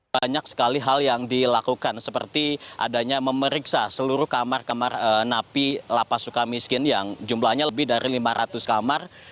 banyak sekali hal yang dilakukan seperti adanya memeriksa seluruh kamar kamar napi lapas suka miskin yang jumlahnya lebih dari lima ratus kamar